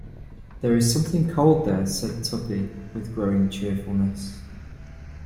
"There is something cold there," said Tuppy, with growing cheerfulness.